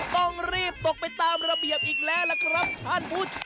ต้องรีบตกไปตามระเบียบอีกแล้วล่ะครับท่านผู้ชม